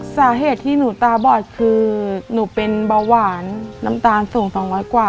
สาเหตุที่หนูตาบอดคือหนูเป็นเบาหวานน้ำตาลสูง๒๐๐กว่า